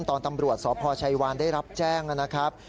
ตำรวจสพชัยวานได้รับแจ้งนะครับ